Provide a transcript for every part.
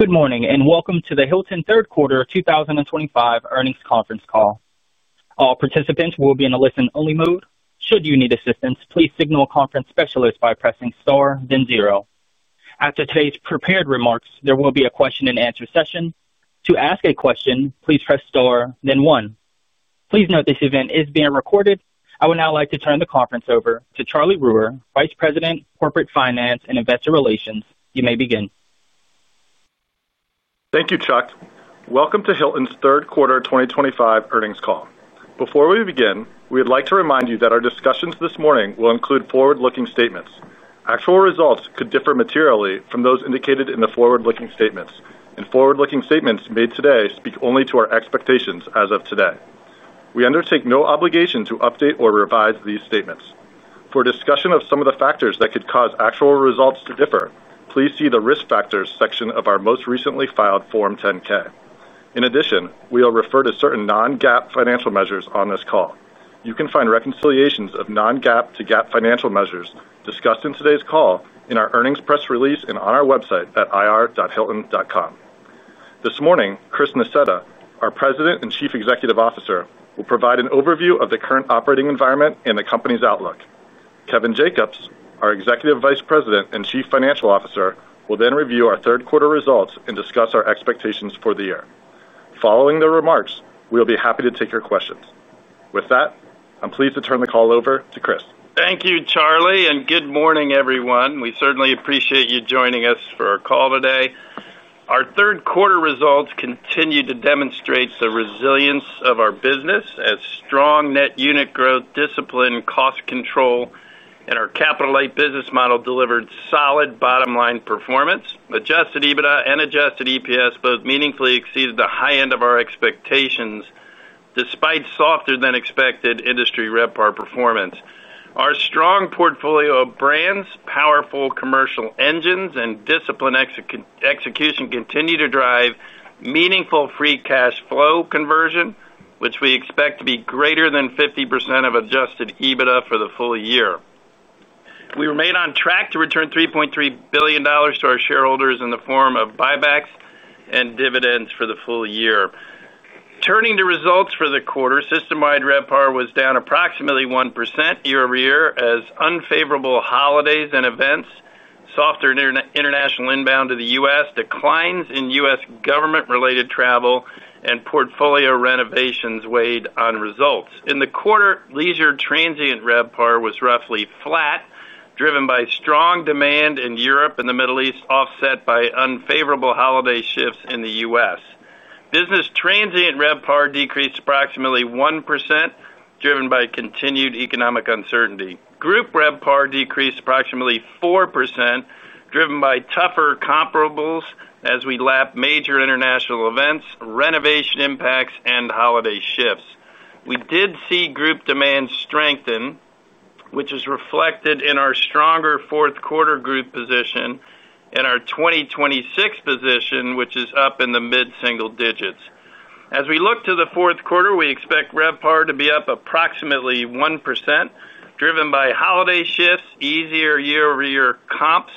Good morning and welcome to the Hilton third quarter 2025 earnings conference call. All participants will be in a listen-only mode. Should you need assistance, please signal a conference specialist by pressing star, then zero. After today's prepared remarks, there will be a question-and-answer session. To ask a question, please press star, then one. Please note this event is being recorded. I would now like to turn the conference over to Charlie Ruhr, Vice President, Corporate Finance and Investor Relations. You may begin. Thank you, Chuck. Welcome to Hilton's third quarter 2025 earnings call. Before we begin, we would like to remind you that our discussions this morning will include forward-looking statements. Actual results could differ materially from those indicated in the forward-looking statements, and forward-looking statements made today speak only to our expectations as of today. We undertake no obligation to update or revise these statements. For discussion of some of the factors that could cause actual results to differ, please see the risk factors section of our most recently filed Form 10-K. In addition, we will refer to certain non-GAAP financial measures on this call. You can find reconciliations of non-GAAP to GAAP financial measures discussed in today's call in our earnings press release and on our website at ir.hilton.com. This morning, Chris Nassetta, our President and Chief Executive Officer, will provide an overview of the current operating environment and the company's outlook. Kevin Jacobs, our Executive Vice President and Chief Financial Officer, will then review our third quarter results and discuss our expectations for the year. Following the remarks, we will be happy to take your questions. With that, I'm pleased to turn the call over to Chris. Thank you, Charlie, and good morning, everyone. We certainly appreciate you joining us for our call today. Our third quarter results continue to demonstrate the resilience of our business as strong net unit growth, discipline, and cost control, and our capital-light business model delivered solid bottom-line performance. Adjusted EBITDA and adjusted EPS both meaningfully exceeded the high end of our expectations despite softer than expected industry RevPAR performance. Our strong portfolio of brands, powerful commercial engines, and disciplined execution continue to drive meaningful free cash flow conversion, which we expect to be greater than 50% of adjusted EBITDA for the full year. We remain on track to return $3.3 billion to our shareholders in the form of buybacks and dividends for the full year. Turning to results for the quarter, system-wide RevPAR was down approximately 1% year-over-year as unfavorable holidays and events, softer international inbound to the U.S., declines in U.S. government-related travel, and portfolio renovations weighed on results. In the quarter, leisure transient RevPAR was roughly flat, driven by strong demand in Europe and the Middle East, offset by unfavorable holiday shifts in the U.S. Business transient RevPAR decreased approximately 1%, driven by continued economic uncertainty. Group RevPAR decreased approximately 4%, driven by tougher comparables as we lap major international events, renovation impacts, and holiday shifts. We did see group demand strengthen, which is reflected in our stronger fourth quarter group position and our 2026 position, which is up in the mid-single digits. As we look to the fourth quarter, we expect RevPAR to be up approximately 1%, driven by holiday shifts, easier year-over-year comps,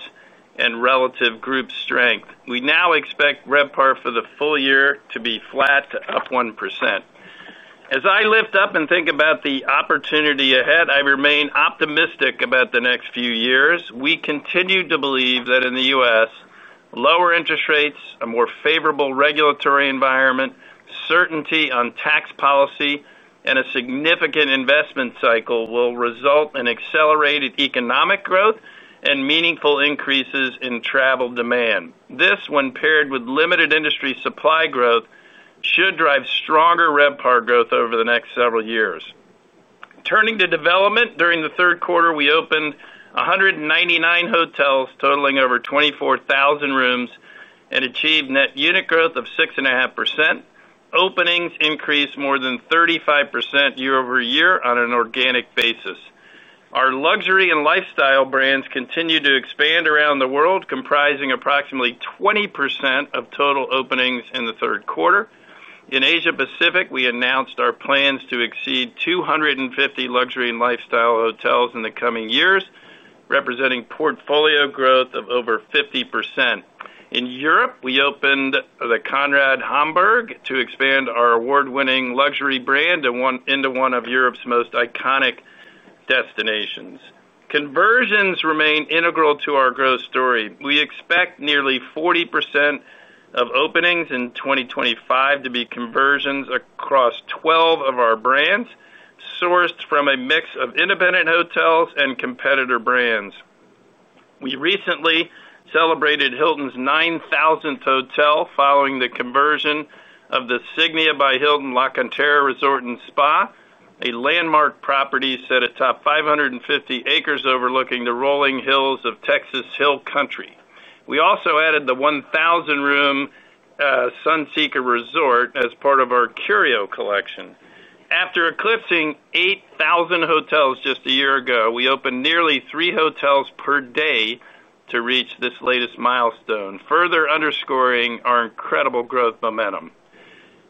and relative group strength. We now expect RevPAR for the full year to be flat to up 1%. As I lift up and think about the opportunity ahead, I remain optimistic about the next few years. We continue to believe that in the U.S., lower interest rates, a more favorable regulatory environment, certainty on tax policy, and a significant investment cycle will result in accelerated economic growth and meaningful increases in travel demand. This, when paired with limited industry supply growth, should drive stronger RevPAR growth over the next several years. Turning to development, during the third quarter, we opened 199 hotels, totaling over 24,000 rooms, and achieved net unit growth of 6.5%. Openings increased more than 35% year-over-year on an organic basis. Our luxury and lifestyle brands continue to expand around the world, comprising approximately 20% of total openings in the third quarter. In Asia Pacific, we announced our plans to exceed 250 luxury and lifestyle hotels in the coming years, representing portfolio growth of over 50%. In Europe, we opened the Conrad Hamburg to expand our award-winning luxury brand into one of Europe's most iconic destinations. Conversions remain integral to our growth story. We expect nearly 40% of openings in 2025 to be conversions across 12 of our brands, sourced from a mix of independent hotels and competitor brands. We recently celebrated Hilton's 9,000th hotel following the conversion of the Signia by Hilton La Cantera Resort and Spa, a landmark property set atop 550 acres overlooking the rolling hills of Texas Hill Country. We also added the 1,000-room Sunseeker Resort as part of our Curio Collection. After eclipsing 8,000 hotels just a year ago, we opened nearly three hotels per day to reach this latest milestone, further underscoring our incredible growth momentum.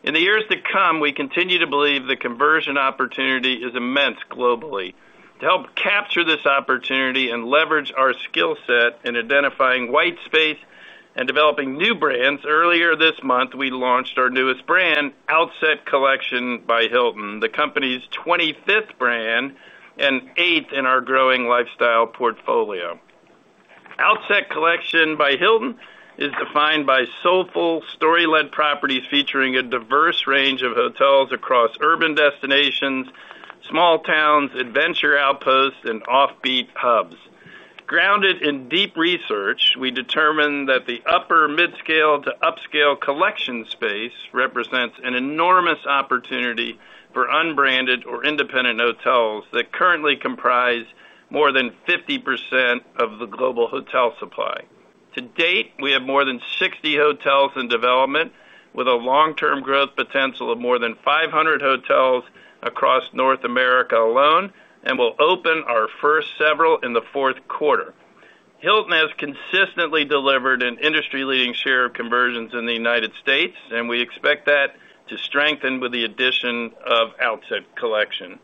In the years to come, we continue to believe the conversion opportunity is immense globally. To help capture this opportunity and leverage our skill set in identifying white space and developing new brands, earlier this month, we launched our newest brand, Outset Collection by Hilton, the company's 25th brand and eighth in our growing lifestyle portfolio. Outset Collection by Hilton is defined by soulful, story-led properties featuring a diverse range of hotels across urban destinations, small towns, adventure outposts, and offbeat hubs. Grounded in deep research, we determined that the upper mid-scale to upscale collection space represents an enormous opportunity for unbranded or independent hotels that currently comprise more than 50% of the global hotel supply. To date, we have more than 60 hotels in development, with a long-term growth potential of more than 500 hotels across North America alone, and will open our first several in the fourth quarter. Hilton has consistently delivered an industry-leading share of conversions in the United States, and we expect that to strengthen with the addition of Outset Collection.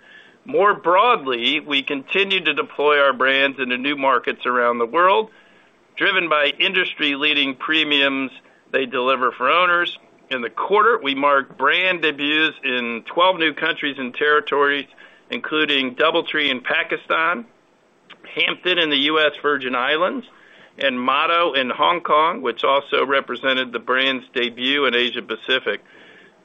More broadly, we continue to deploy our brands into new markets around the world, driven by industry-leading premiums they deliver for owners. In the quarter, we marked brand debuts in 12 new countries and territories, including DoubleTree in Pakistan, Hampton in the U.S. Virgin Islands, and Motto in Hong Kong, which also represented the brand's debut in Asia Pacific.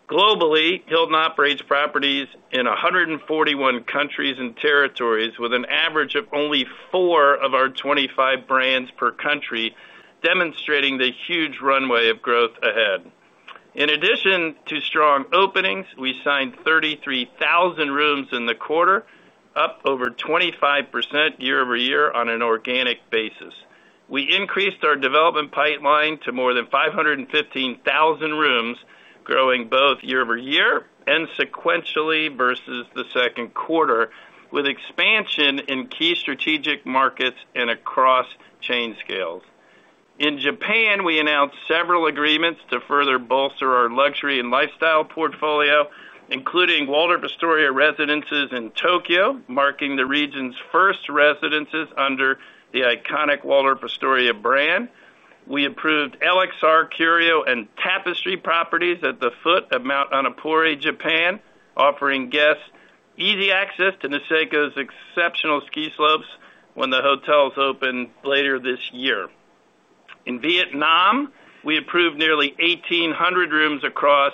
Globally, Hilton operates properties in 141 countries and territories, with an average of only four of our 25 brands per country, demonstrating the huge runway of growth ahead. In addition to strong openings, we signed 33,000 rooms in the quarter, up over 25% year-over-year on an organic basis. We increased our development pipeline to more than 515,000 rooms, growing both year-over-year and sequentially versus the second quarter, with expansion in key strategic markets and across chain scales. In Japan, we announced several agreements to further bolster our luxury and lifestyle portfolio, including Waldorf Astoria Residences in Tokyo, marking the region's first residences under the iconic Waldorf Astoria brand. We approved LXR, Curio, and Tapestry properties at the foot of Mount Annupuri, Japan, offering guests easy access to Niseko's exceptional ski slopes when the hotels open later this year. In Vietnam, we approved nearly 1,800 rooms across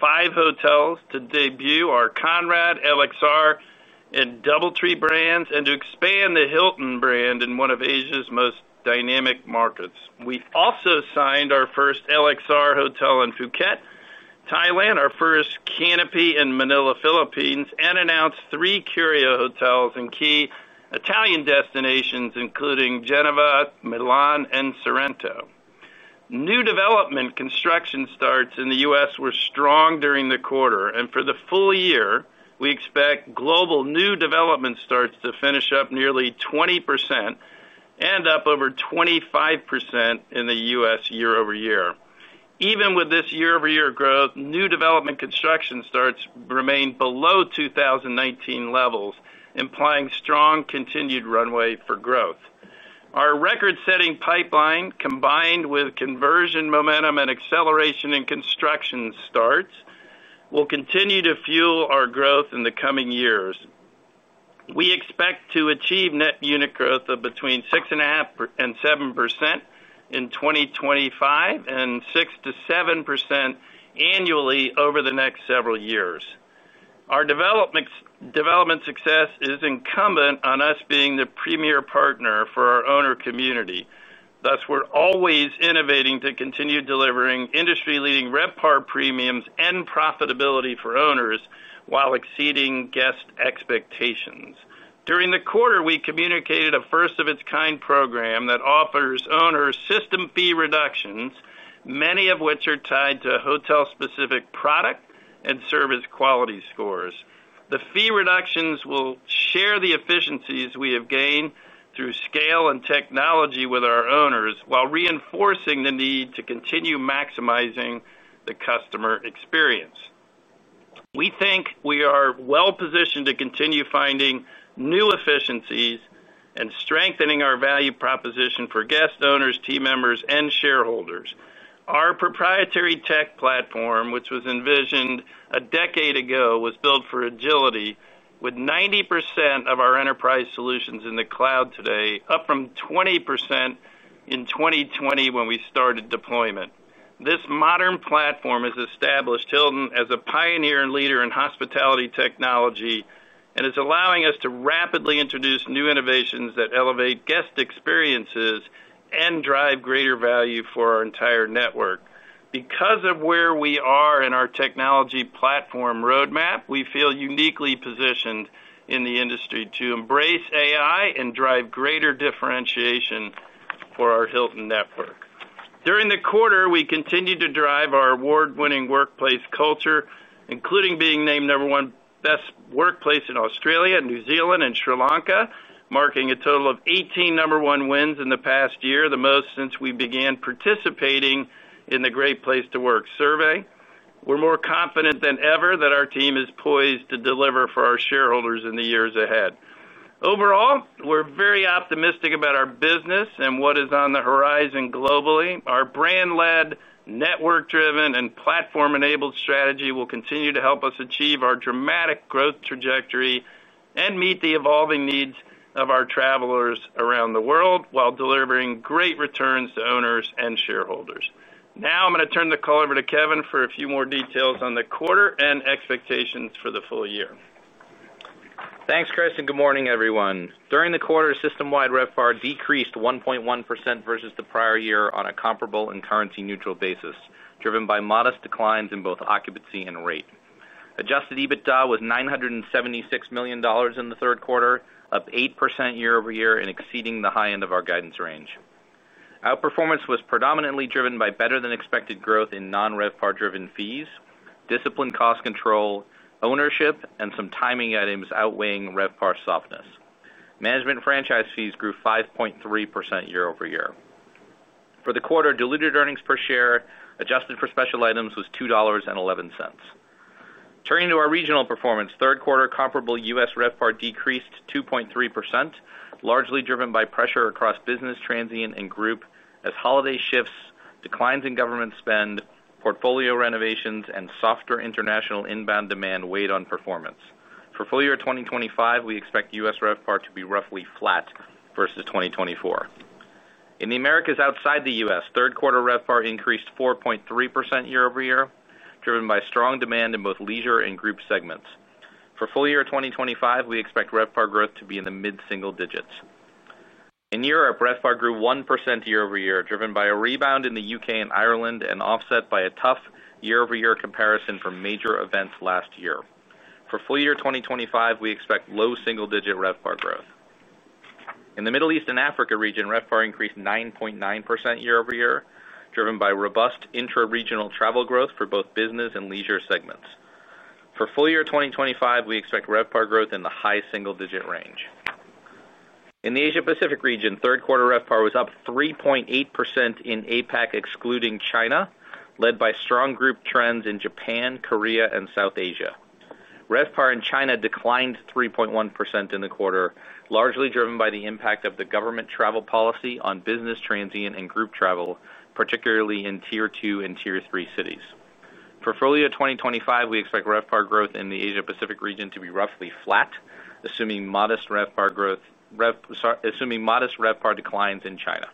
five hotels to debut our Conrad, LXR, and DoubleTree brands and to expand the Hilton brand in one of Asia's most dynamic markets. We also signed our first LXR hotel in Phuket, Thailand, our first Canopy in Manila, Philippines, and announced three Curio hotels in key Italian destinations, including Geneva, Milan, and Sorrento. New development construction starts in the U.S. were strong during the quarter, and for the full year, we expect global new development starts to finish up nearly 20% and up over 25% in the U.S. year-over-year. Even with this year-over-year growth, new development construction starts remain below 2019 levels, implying strong continued runway for growth. Our record-setting pipeline, combined with conversion momentum and acceleration in construction starts, will continue to fuel our growth in the coming years. We expect to achieve net unit growth of between 6.5% and 7% in 2025 and 6%-7% annually over the next several years. Our development success is incumbent on us being the premier partner for our owner community. Thus, we're always innovating to continue delivering industry-leading RevPAR premiums and profitability for owners while exceeding guest expectations. During the quarter, we communicated a first-of-its-kind program that offers owners system fee reductions, many of which are tied to a hotel-specific product and service quality scores. The fee reductions will share the efficiencies we have gained through scale and technology with our owners, while reinforcing the need to continue maximizing the customer experience. We think we are well positioned to continue finding new efficiencies and strengthening our value proposition for guests, owners, team members, and shareholders. Our proprietary tech platform, which was envisioned a decade ago, was built for agility, with 90% of our enterprise solutions in the cloud today, up from 20% in 2020 when we started deployment. This modern platform has established Hilton as a pioneer and leader in hospitality technology and is allowing us to rapidly introduce new innovations that elevate guest experiences and drive greater value for our entire network. Because of where we are in our technology platform roadmap, we feel uniquely positioned in the industry to embrace AI and drive greater differentiation for our Hilton network. During the quarter, we continue to drive our award-winning workplace culture, including being named number one best workplace in Australia, New Zealand, and Sri Lanka, marking a total of 18 number one wins in the past year, the most since we began participating in the Great Place to Work survey. We're more confident than ever that our team is poised to deliver for our shareholders in the years ahead. Overall, we're very optimistic about our business and what is on the horizon globally. Our brand-led, network-driven, and platform-enabled strategy will continue to help us achieve our dramatic growth trajectory and meet the evolving needs of our travelers around the world while delivering great returns to owners and shareholders. Now, I'm going to turn the call over to Kevin for a few more details on the quarter and expectations for the full year. Thanks, Chris, and good morning, everyone. During the quarter, system-wide RevPAR decreased 1.1% versus the prior year on a comparable and currency-neutral basis, driven by modest declines in both occupancy and rate. Adjusted EBITDA was $976 million in the third quarter, up 8% year-over-year and exceeding the high end of our guidance range. Outperformance was predominantly driven by better-than-expected growth in non-RevPAR-driven fees, disciplined cost control, ownership, and some timing items outweighing RevPAR softness. Management franchise fees grew 5.3% year-over-year. For the quarter, diluted earnings per share adjusted for special items was $2.11. Turning to our regional performance, third quarter, comparable U.S. RevPAR decreased 2.3%, largely driven by pressure across business transient and group, as holiday shifts, declines in government spend, portfolio renovations, and softer international inbound demand weighed on performance. For full year 2025, we expect U.S. RevPAR to be roughly flat versus 2024. In the Americas outside the U.S., third quarter RevPAR increased 4.3% year-over-year, driven by strong demand in both leisure and group segments. For full year 2025, we expect RevPAR growth to be in the mid-single digits. In Europe, RevPAR grew 1% year-over-year, driven by a rebound in the U.K. and Ireland and offset by a tough year-over-year comparison from major events last year. For full year 2025, we expect low single-digit RevPAR growth. In the Middle East and Africa region, RevPAR increased 9.9% year-over-year, driven by robust inter-regional travel growth for both business and leisure segments. For full year 2025, we expect RevPAR growth in the high single-digit range. In the Asia Pacific region, third quarter RevPAR was up 3.8% in APAC, excluding China, led by strong group trends in Japan, Korea, and South Asia. RevPAR in China declined 3.1% in the quarter, largely driven by the impact of the government travel policy on business transient and group travel, particularly in Tier 2 and Tier 3 cities. For full year 2025, we expect RevPAR growth in the Asia Pacific region to be roughly flat, assuming modest RevPAR declines in China.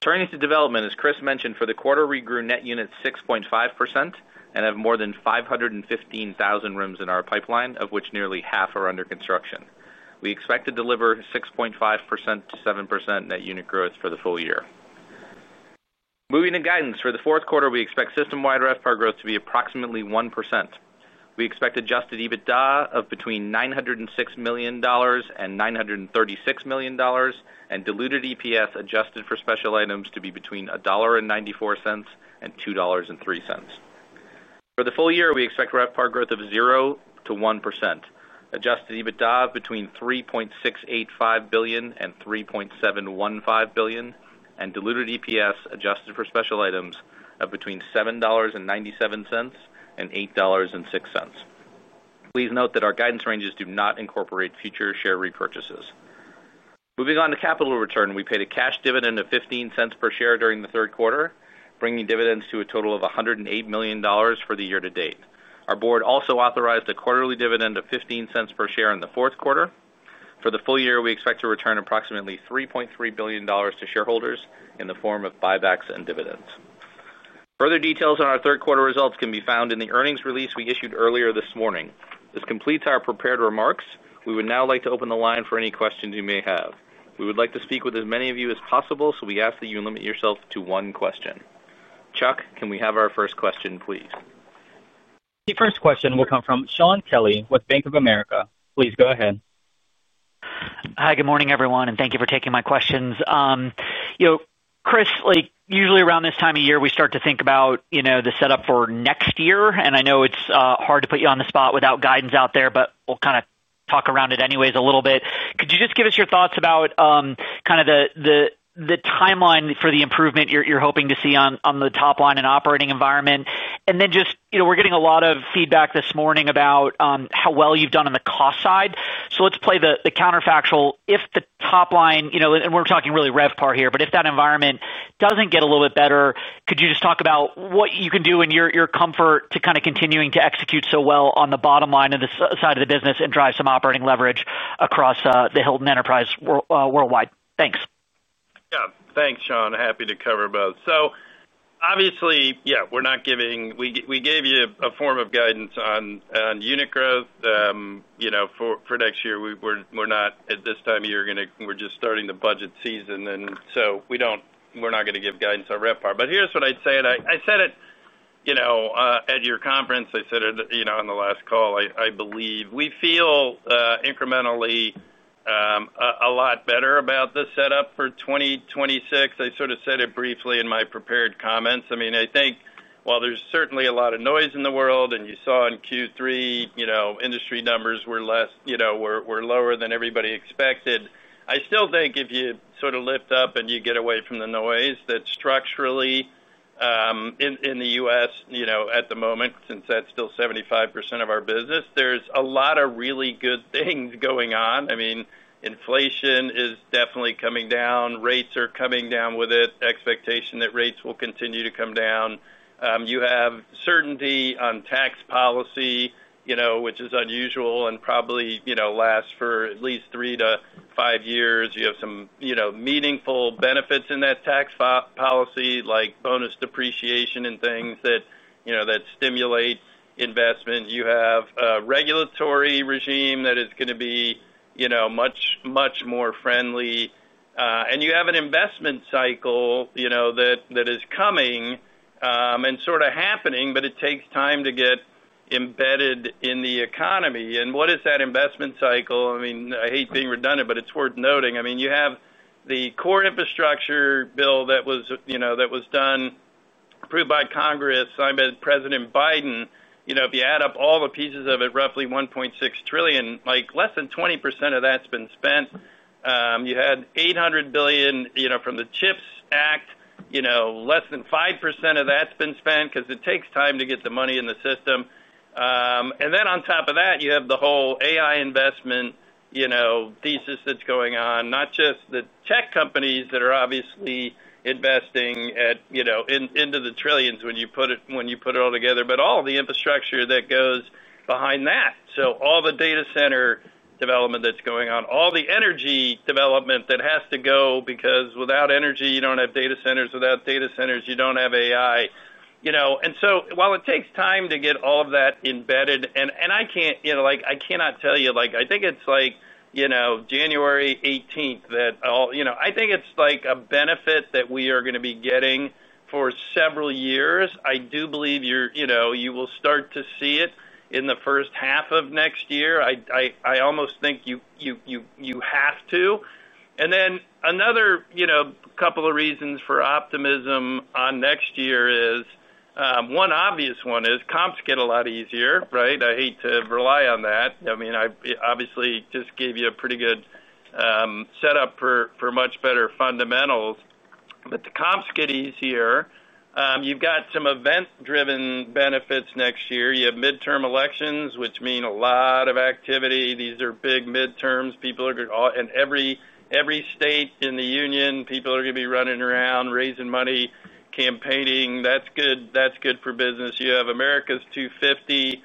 Turning to development, as Chris mentioned, for the quarter, we grew net units 6.5% and have more than 515,000 rooms in our pipeline, of which nearly half are under construction. We expect to deliver 6.5%-7% net unit growth for the full year. Moving to guidance, for the fourth quarter, we expect system-wide RevPAR growth to be approximately 1%. We expect adjusted EBITDA of between $906 million and $936 million, and diluted EPS adjusted for special items to be between $1.94 and $2.03. For the full year, we expect RevPAR growth of 0%-%, adjusted EBITDA of between $3.685 billion and $3.715 billion, and diluted EPS adjusted for special items of between $7.97 and $8.06. Please note that our guidance ranges do not incorporate future share repurchases. Moving on to capital return, we paid a cash dividend of $0.15 per share during the third quarter, bringing dividends to a total of $108 million for the year to date. Our board also authorized a quarterly dividend of $0.15 per share in the fourth quarter. For the full year, we expect to return approximately $3.3 billion to shareholders in the form of buybacks and dividends. Further details on our third quarter results can be found in the earnings release we issued earlier this morning. This completes our prepared remarks. We would now like to open the line for any questions you may have. We would like to speak with as many of you as possible, so we ask that you limit yourself to one question. Chuck, can we have our first question, please? The first question will come from Shaun Kelley with Bank of America. Please go ahead. Hi, good morning, everyone, and thank you for taking my questions. Chris, like usually around this time of year, we start to think about the setup for next year, and I know it's hard to put you on the spot without guidance out there, but we'll kind of talk around it anyways a little bit. Could you just give us your thoughts about the timeline for the improvement you're hoping to see on the top line and operating environment? We're getting a lot of feedback this morning about how well you've done on the cost side. Let's play the counterfactual. If the top line, and we're talking really RevPAR here, but if that environment doesn't get a little bit better, could you just talk about what you can do in your comfort to kind of continue to execute so well on the bottom line of the business and drive some operating leverage across the Hilton enterprise worldwide? Thanks. Yeah, thanks, Shaun. Happy to cover both. Obviously, we're not giving, we gave you a form of guidance on unit growth for next year. We're not at this time of year going to, we're just starting the budget season, and so we're not going to give guidance on RevPAR. Here's what I'd say, and I said it at your conference, I said it on the last call. I believe we feel incrementally a lot better about the setup for 2026. I sort of said it briefly in my prepared comments. I think while there's certainly a lot of noise in the world, and you saw in Q3, industry numbers were lower than everybody expected. I still think if you sort of lift up and you get away from the noise that structurally in the U.S., at the moment, since that's still 75% of our business, there's a lot of really good things going on. Inflation is definitely coming down. Rates are coming down with it. Expectation that rates will continue to come down. You have certainty on tax policy, which is unusual and probably lasts for at least three to five years. You have some meaningful benefits in that tax policy, like bonus depreciation and things that stimulate investment. You have a regulatory regime that is going to be much, much more friendly. You have an investment cycle that is coming and sort of happening, but it takes time to get embedded in the economy. What is that investment cycle? I hate being redundant, but it's worth noting. You have the core infrastructure bill that was approved by Congress, signed by President Biden. If you add up all the pieces of it, roughly $1.6 trillion, less than 20% of that's been spent. You had $800 billion from the CHIPS Act. Less than 5% of that's been spent because it takes time to get the money in the system. On top of that, you have the whole AI investment thesis that's going on, not just the tech companies that are obviously investing into the trillions when you put it all together, but all the infrastructure that goes behind that. All the data center development that's going on, all the energy development that has to go, because without energy, you don't have data centers. Without data centers, you don't have AI. You know, while it takes time to get all of that embedded, I cannot tell you, like I think it's January 18th that all, I think it's a benefit that we are going to be getting for several years. I do believe you will start to see it in the first half of next year. I almost think you have to. Another couple of reasons for optimism on next year is, one obvious one is comps get a lot easier, right? I hate to rely on that. I obviously just gave you a pretty good setup for much better fundamentals. The comps get easier. You have some event-driven benefits next year. You have midterm elections, which mean a lot of activity. These are big midterms. People are all in every state in the union. People are going to be running around, raising money, campaigning. That's good. That's good for business. You have America's 250,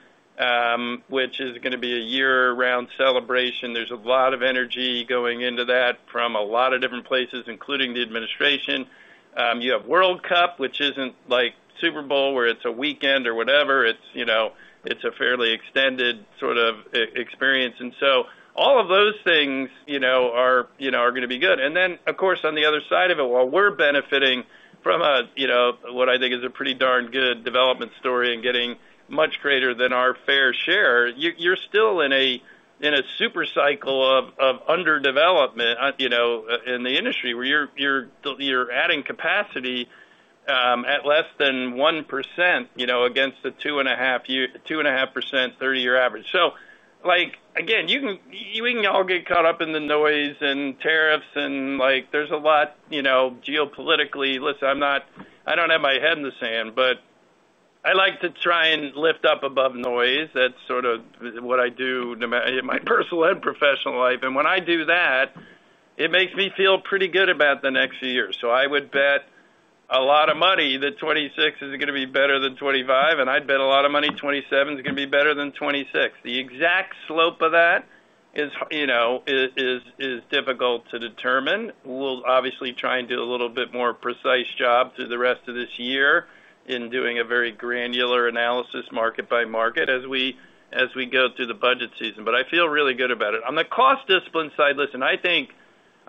which is going to be a year-round celebration. There's a lot of energy going into that from a lot of different places, including the administration. You have World Cup, which isn't like Super Bowl where it's a weekend or whatever. It's a fairly extended sort of experience. All of those things are going to be good. Of course, on the other side of it, while we're benefiting from what I think is a pretty darn good development story and getting much greater than our fair share, you're still in a super cycle of underdevelopment in the industry where you're adding capacity at less than 1% against the 2.5% 30-year average. Again, we can all get caught up in the noise and tariffs, and there's a lot geopolitically. Listen, I don't have my head in the sand, but I like to try and lift up above noise. That's sort of what I do in my personal and professional life. When I do that, it makes me feel pretty good about the next year. I would bet a lot of money that 2026 is going to be better than 2025, and I'd bet a lot of money 2027 is going to be better than 2026. The exact slope of that is difficult to determine. We'll obviously try and do a little bit more precise job through the rest of this year in doing a very granular analysis market by market as we go through the budget season. I feel really good about it. On the cost discipline side, listen, I think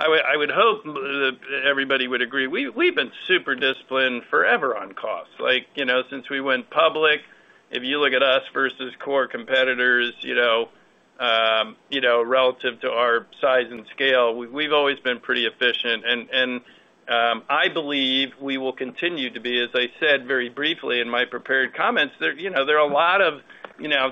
I would hope that everybody would agree. We've been super disciplined forever on costs. Like, you know, since we went public, if you look at us versus core competitors, you know, relative to our size and scale, we've always been pretty efficient. I believe we will continue to be, as I said very briefly in my prepared comments, there are a lot of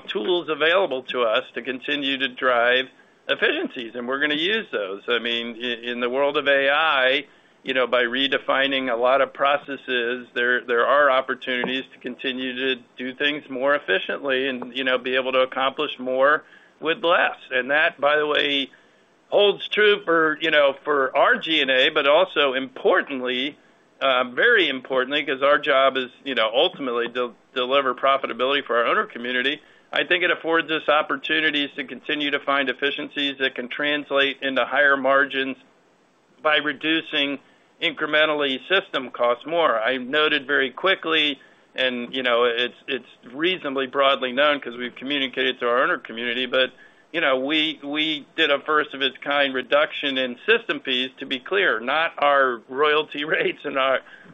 tools available to us to continue to drive efficiencies, and we're going to use those. I mean, in the world of AI, by redefining a lot of processes, there are opportunities to continue to do things more efficiently and be able to accomplish more with less. That, by the way, holds true for our GNA, but also importantly, very importantly, because our job is ultimately to deliver profitability for our owner community. I think it affords us opportunities to continue to find efficiencies that can translate into higher margins by reducing incrementally system costs more. I noted very quickly, and it's reasonably broadly known because we've communicated to our owner community, but we did a first-of-its-kind reduction in system fees, to be clear, not our royalty rates and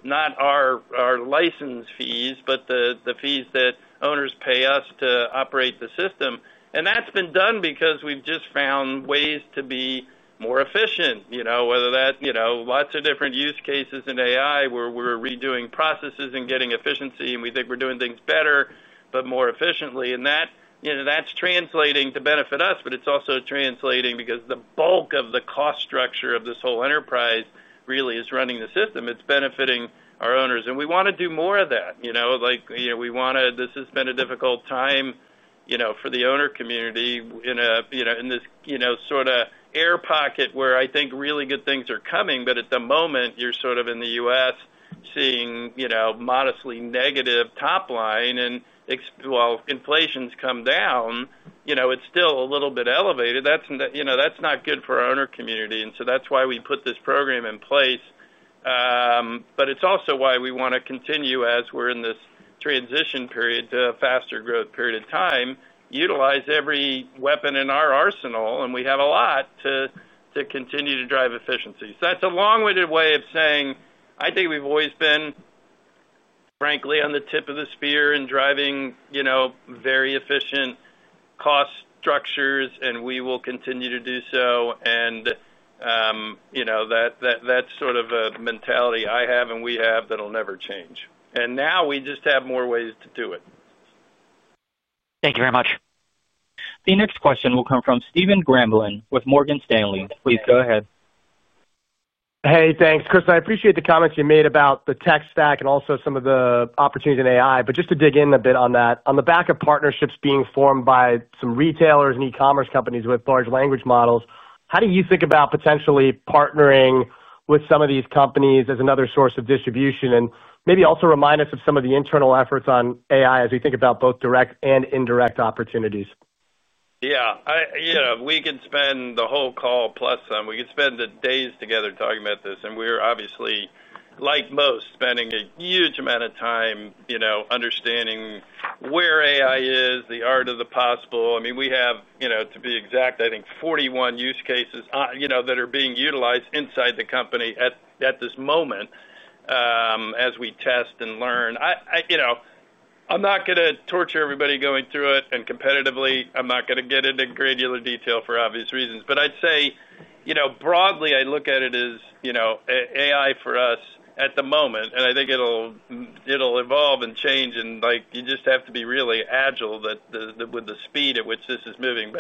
not our license fees, but the fees that owners pay us to operate the system. That's been done because we've just found ways to be more efficient, whether that's lots of different use cases in AI where we're redoing processes and getting efficiency, and we think we're doing things better, but more efficiently. That, you know, that's translating to benefit us, but it's also translating because the bulk of the cost structure of this whole enterprise really is running the system. It's benefiting our owners, and we want to do more of that. You know, we want to, this has been a difficult time for the owner community in a sort of air pocket where I think really good things are coming, but at the moment, you're sort of in the U.S. seeing modestly negative top line, and while inflation's come down, it's still a little bit elevated. That's not good for our owner community, and so that's why we put this program in place. It is also why we want to continue, as we're in this transition period to a faster growth period of time, to utilize every weapon in our arsenal. We have a lot to continue to drive efficiency. That is a long-winded way of saying I think we've always been, frankly, on the tip of the spear in driving very efficient cost structures, and we will continue to do so. That is sort of a mentality I have and we have that will never change. Now we just have more ways to do it. Thank you very much. The next question will come from Stephen Grambling with Morgan Stanley. Please go ahead. Hey, thanks, Chris. I appreciate the comments you made about the tech stack and also some of the opportunities in AI, just to dig in a bit on that, on the back of partnerships being formed by some retailers and e-commerce companies with large language models, how do you think about potentially partnering with some of these companies as another source of distribution? Maybe also remind us of some of the internal efforts on AI as we think about both direct and indirect opportunities. Yeah, you know, we could spend the whole call plus some, we could spend days together talking about this, and we're obviously, like most, spending a huge amount of time understanding where AI is, the art of the possible. I mean, we have, to be exact, I think 41 use cases that are being utilized inside the company at this moment, as we test and learn. I'm not going to torture everybody going through it, and competitively, I'm not going to get into granular detail for obvious reasons, but I'd say, broadly, I look at it as AI for us at the moment, and I think it'll evolve and change, and you just have to be really agile with the speed at which this is moving.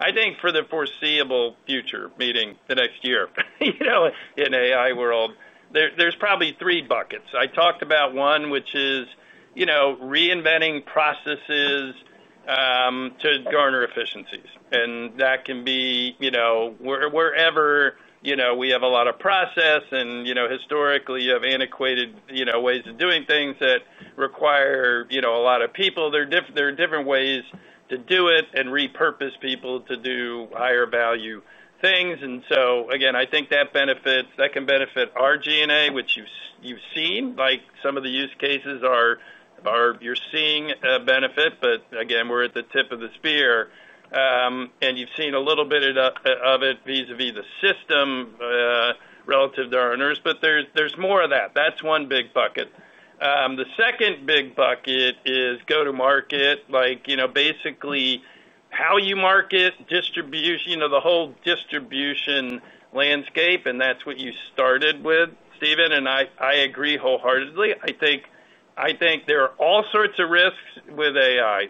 I think for the foreseeable future, meaning the next year, in AI world, there's probably three buckets. I talked about one, which is reinventing processes to garner efficiencies. That can be wherever we have a lot of process, and historically, you have antiquated ways of doing things that require a lot of people. There are different ways to do it and repurpose people to do higher value things. I think that can benefit our G&A, which you've seen, like some of the use cases are, you're seeing a benefit, but we're at the tip of the spear. You've seen a little bit of it vis-à-vis the system, relative to our owners, but there's more of that. That's one big bucket. The second big bucket is go-to-market, like basically, how you market distribution, the whole distribution landscape, and that's what you started with, Stephen, and I agree wholeheartedly. I think there are all sorts of risks with AI,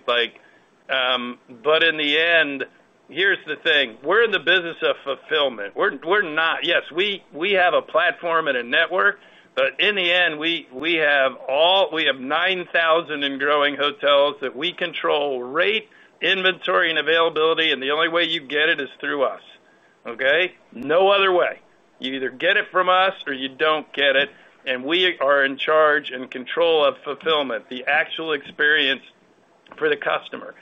but in the end, here's the thing, we're in the business of fulfillment. We're not, yes, we have a platform and a network, but in the end, we have all, we have 9,000 and growing hotels that we control rate, inventory, and availability, and the only way you get it is through us, okay? No other way. You either get it from us or you don't get it, and we are in charge and control of fulfillment, the actual experience for the customer.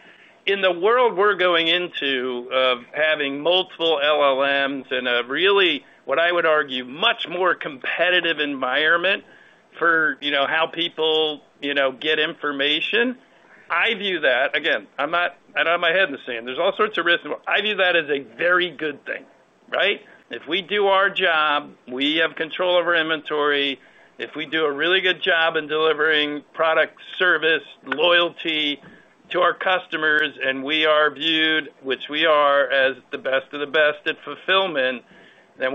In the world we're going into, of having multiple LLMs and a really, what I would argue, much more competitive environment for how people get information, I view that, again, I don't have my head in the sand. There are all sorts of risks. I view that as a very good thing, right? If we do our job, we have control over inventory. If we do a really good job in delivering product, service, loyalty to our customers, and we are viewed, which we are, as the best of the best at fulfillment, then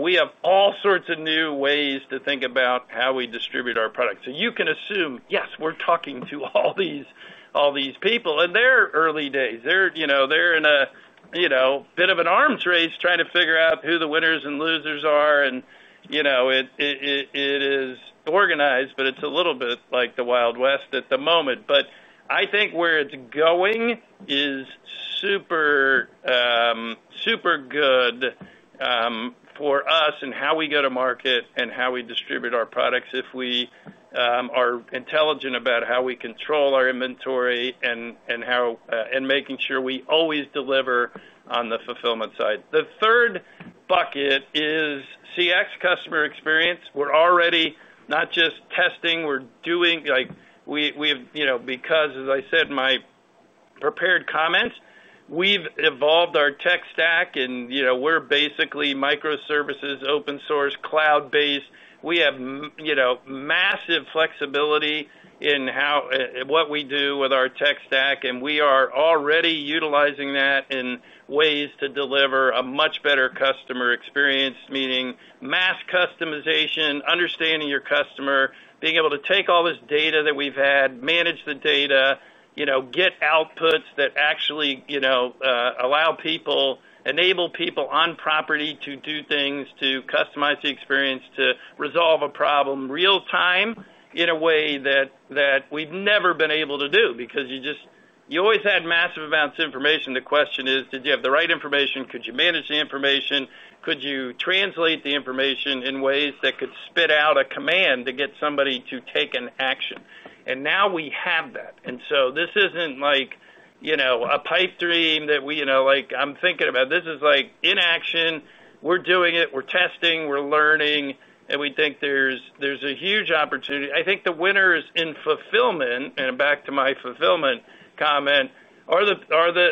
we have all sorts of new ways to think about how we distribute our product. You can assume, yes, we're talking to all these people, and they're early days. They're in a bit of an arms race trying to figure out who the winners and losers are, and it is organized, but it's a little bit like the Wild West at the moment. I think where it's going is super, super good for us and how we go to market and how we distribute our products if we are intelligent about how we control our inventory and making sure we always deliver on the fulfillment side. The third bucket is CX, customer experience. We're already not just testing, we're doing. We have, because, as I said in my prepared comments, we've evolved our tech stack and we're basically microservices, open source, cloud-based. We have massive flexibility in what we do with our tech stack, and we are already utilizing that in ways to deliver a much better customer experience, meaning mass customization, understanding your customer, being able to take all this data that we've had, manage the data, get outputs that actually allow people, enable people on property to do things, to customize the experience, to resolve a problem real-time in a way that we've never been able to do because you always had massive amounts of information. The question is, did you have the right information? Could you manage the information? Could you translate the information in ways that could spit out a command to get somebody to take an action? Now we have that. This isn't like a pipe dream that I'm thinking about. This is in action, we're doing it, we're testing, we're learning, and we think there's a huge opportunity. I think the winners in fulfillment, and back to my fulfillment comment, are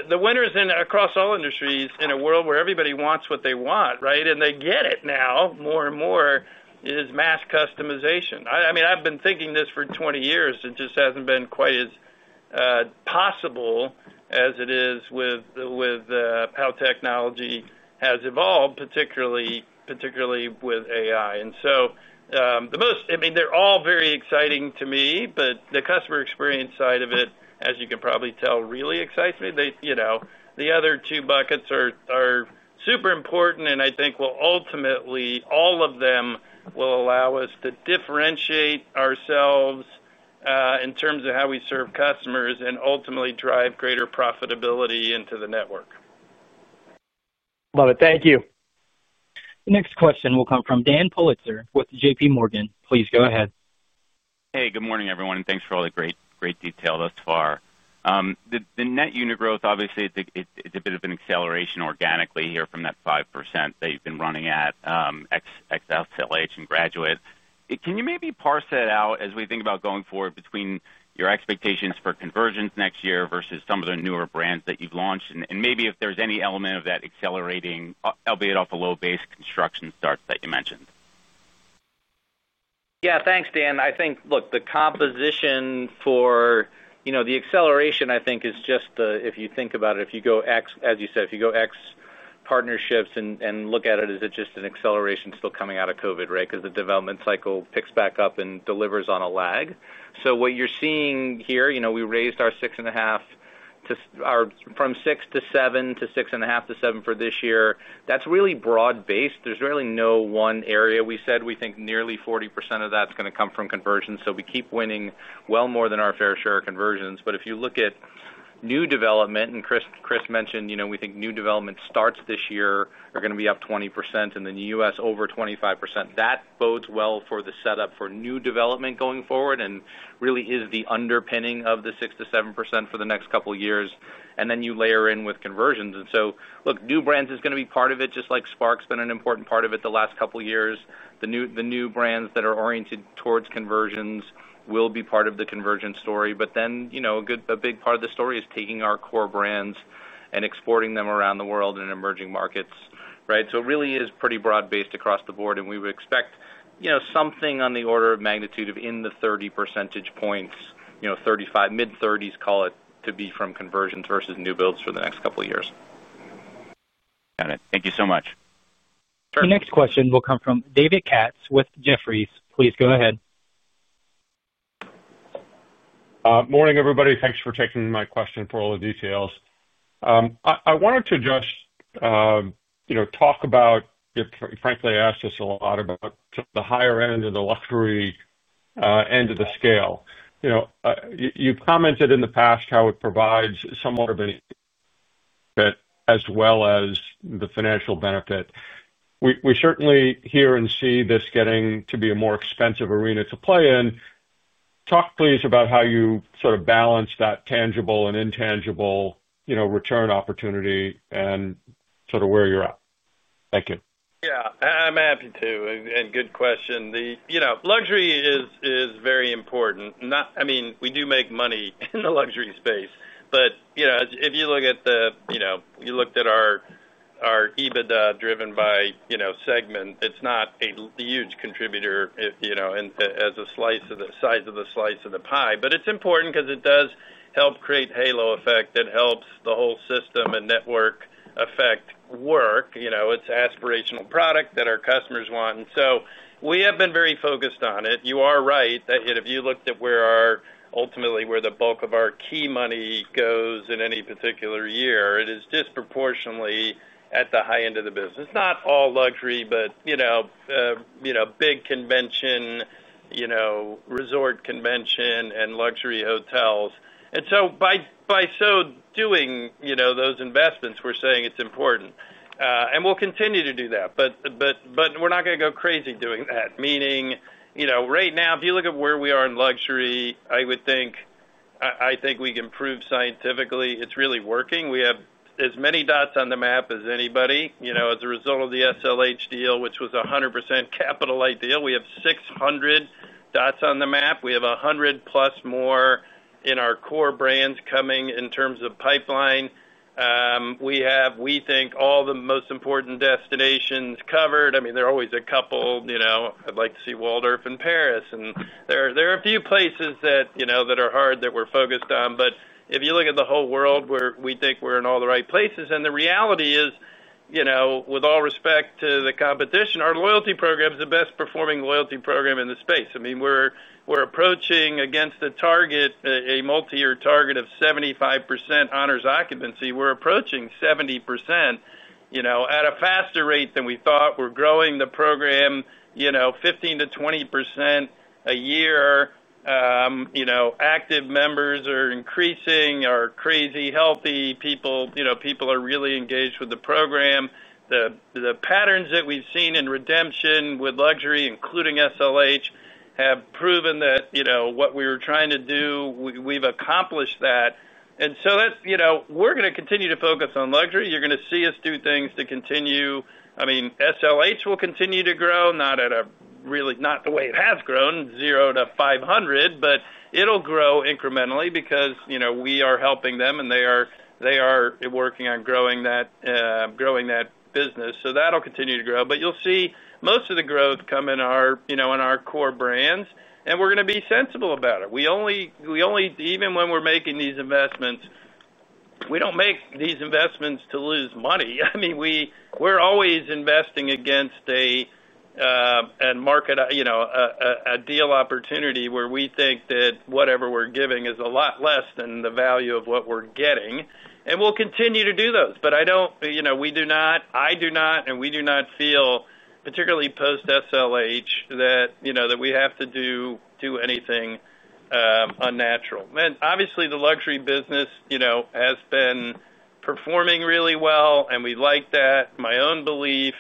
the winners across all industries in a world where everybody wants what they want, right? They get it now more and more as mass customization. I mean, I've been thinking this for 20 years. It just hasn't been quite as possible as it is with how technology has evolved, particularly with AI. The most, I mean, they're all very exciting to me, but the customer experience side of it, as you can probably tell, really excites me. The other two buckets are super important, and I think ultimately, all of them will allow us to differentiate ourselves in terms of how we serve customers and ultimately drive greater profitability into the network. Love it. Thank you. The next question will come from Dan Politzer with JPMorgan. Please go ahead. Hey, good morning everyone, and thanks for all the great, great detail thus far. The net unit growth, obviously, it's a bit of an acceleration organically here from that 5% that you've been running at, ex-LCLH and graduates. Can you maybe parse that out as we think about going forward between your expectations for conversions next year versus some of the newer brands that you've launched? Maybe if there's any element of that accelerating, albeit off a low base construction start that you mentioned. Yeah, thanks Dan. I think, look, the composition for the acceleration I think is just the, if you think about it, if you go ex, as you said, if you go ex partnerships and look at it as it's just an acceleration still coming out of COVID, right? Because the development cycle picks back up and delivers on a lag. What you're seeing here, we raised our 6.5% to our from 6%-7% to 6.5%-7% for this year. That's really broad-based. There's really no one area. We said we think nearly 40% of that's going to come from conversions. We keep winning well more than our fair share of conversions. If you look at new development, and Chris mentioned, we think new development starts this year are going to be up 20% in the U.S., over 25%. That bodes well for the setup for new development going forward and really is the underpinning of the 6% to 7% for the next couple of years. You layer in with conversions. New brands are going to be part of it, just like Spark's been an important part of it the last couple of years. The new brands that are oriented towards conversions will be part of the conversion story. A big part of the story is taking our core brands and exporting them around the world and emerging markets, right? It really is pretty broad-based across the board. We would expect something on the order of magnitude of in the 30 percentage points, 35, mid-30s, call it, to be from conversions versus new builds for the next couple of years. Got it. Thank you so much. The next question will come from David Katz with Jefferies. Please go ahead. Morning everybody, thanks for taking my question and for all the details. I wanted to just talk about, frankly, I ask this a lot about sort of the higher end of the luxury end of the scale. You've commented in the past how it provides somewhat of an, as well as the financial benefit. We certainly hear and see this getting to be a more expensive arena to play in. Talk please about how you sort of balance that tangible and intangible return opportunity and sort of where you're at. Thank you. Yeah, I'm happy to, and good question. Luxury is very important. I mean, we do make money in the luxury space, but if you look at our EBITDA driven by segment, it's not a huge contributor as a slice of the pie, but it's important because it does help create a halo effect. It helps the whole system and network effect work. It's aspirational product that our customers want, and we have been very focused on it. You are right that if you looked at where our, ultimately, where the bulk of our key money goes in any particular year, it is disproportionately at the high end of the business. Not all luxury, but big convention, resort convention, and luxury hotels. By so doing, those investments, we're saying it's important, and we'll continue to do that. We're not going to go crazy doing that. Meaning, right now, if you look at where we are in luxury, I think we can prove scientifically it's really working. We have as many dots on the map as anybody as a result of the SLH partnership, which was a 100% capital-light deal. We have 600 dots on the map. We have 100+ more in our core brands coming in terms of pipeline. We think all the most important destinations are covered. There are always a couple, I'd like to see Waldorf in Paris, and there are a few places that are hard that we're focused on. If you look at the whole world, we think we're in all the right places. The reality is, with all respect to the competition, our loyalty program is the best performing loyalty program in the space. We're approaching against a target, a multi-year target of 75% Honors occupancy. We're approaching 70% at a faster rate than we thought. We're growing the program 15%-20% a year. Active members are increasing, are crazy healthy people. People are really engaged with the program. The patterns that we've seen in redemption with luxury, including SLH, have proven that what we were trying to do, we've accomplished that. That's, we're going to continue to focus on luxury. You're going to see us do things to continue. I mean, SLH will continue to grow, not at a really, not the way it has grown, zero to 500, but it'll grow incrementally because we are helping them and they are working on growing that business. That'll continue to grow. You'll see most of the growth come in our core brands, and we're going to be sensible about it. We only, even when we're making these investments, we don't make these investments to lose money. We're always investing against a deal opportunity where we think that whatever we're giving is a lot less than the value of what we're getting. We'll continue to do those. I do not, and we do not feel particularly post-SLH that we have to do anything unnatural. Obviously, the luxury business has been performing really well, and we like that. My own belief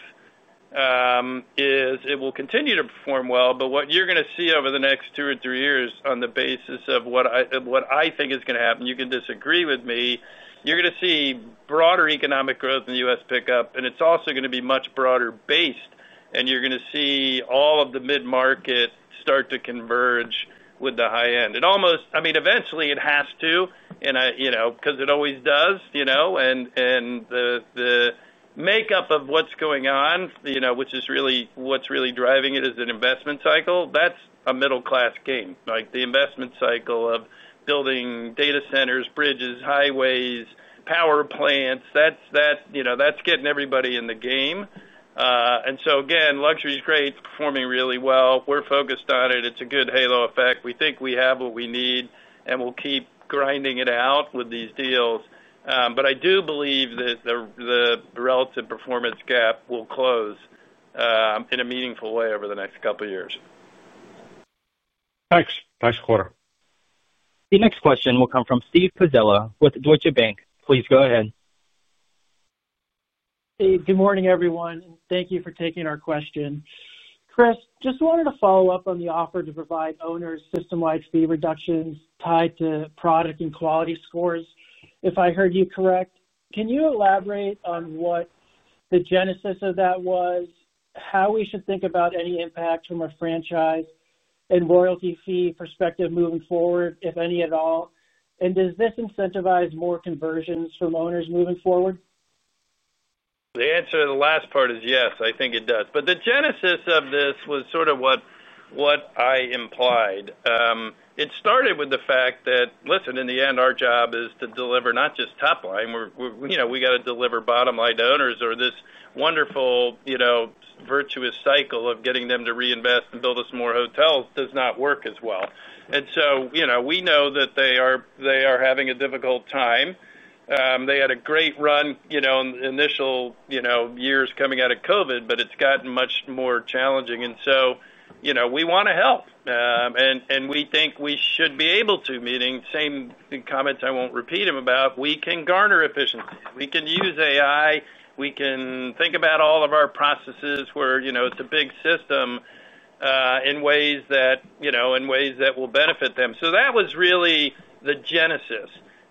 is it will continue to perform well, but what you're going to see over the next two or three years on the basis of what I think is going to happen, you can disagree with me, you're going to see broader economic growth in the U.S. pick up, and it's also going to be much broader based, and you're going to see all of the mid-market start to converge with the high end. It almost, eventually it has to, because it always does, and the makeup of what's going on, which is really what's really driving it is an investment cycle. That's a middle-class game. The investment cycle of building data centers, bridges, highways, power plants, that's getting everybody in the game. Again, luxury is great. It's performing really well. We're focused on it. It's a good halo effect. We think we have what we need, and we'll keep grinding it out with these deals. I do believe that the relative performance gap will close in a meaningful way over the next couple of years. Thanks. Thanks, Carter. The next question will come from Steve Pezzella with Deutsche Bank. Please go ahead. Hey, good morning everyone, and thank you for taking our question. Chris, just wanted to follow up on the offer to provide owners system-wide fee reductions tied to product and quality scores. If I heard you correct, can you elaborate on what the genesis of that was, how we should think about any impact from a franchise and royalty fee perspective moving forward, if any at all? Does this incentivize more conversions from owners moving forward? The answer to the last part is yes, I think it does. The genesis of this was sort of what I implied. It started with the fact that, listen, in the end, our job is to deliver not just top line. We're, you know, we got to deliver bottom line to owners, or this wonderful, you know, virtuous cycle of getting them to reinvest and build us more hotels does not work as well. We know that they are having a difficult time. They had a great run, you know, in the initial, you know, years coming out of COVID, but it's gotten much more challenging. We want to help. We think we should be able to, meaning same comments I won't repeat them about, we can garner efficiency. We can use AI. We can think about all of our processes where, you know, it's a big system in ways that, you know, in ways that will benefit them. That was really the genesis.